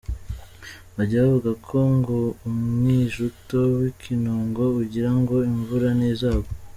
Bajya bavuga ko ngo umwijuto w’ikinonko ugirango imvura ntizagwa.